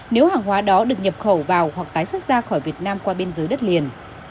nếu hàng hóa đó được nhập khẩu vào hoặc tái xuất ra khỏi việt nam qua biên giới đất liền